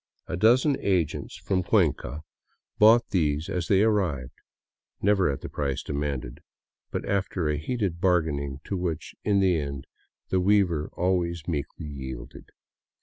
A dozen agents from Cuenca 187 VAGABONDING DOWN THE ANDES bought these as they arrived, never at the price demanded, but after a heated bargaining to which, in the end, the weavers always meekly yielded.